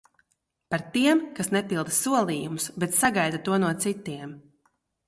Par tiem, kas nepilda solījumus, bet sagaida to no citiem.